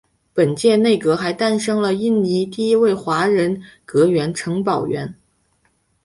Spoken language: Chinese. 本届内阁还诞生了印尼第一位华人阁员陈宝源。